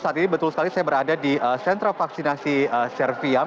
saat ini betul sekali saya berada di sentra vaksinasi serviam